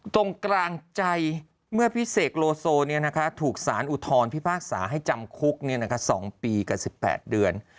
ตรงกลางใจเมื่อพี่เสกโลโซถูกสารอุทธรพิพากษาให้จำคุก๒ปีกับ๑๘เดือน